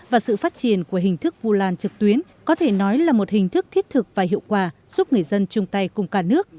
và sự phát triển của hình thức vu lan trực tuyến có thể nói là một hình thức thiết thực và hiệu quả giúp người dân chung tay cùng cả nước